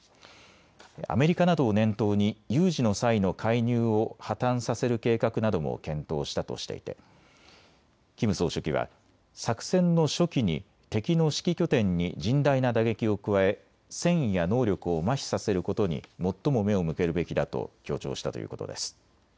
アメリカなどを念頭に有事の際の介入を破綻させる計画なども検討したとしていてキム総書記は作戦の初期に敵の指揮拠点に甚大な打撃を加え戦意や能力をまひさせることに最も目を向けるべきだと強調したということです。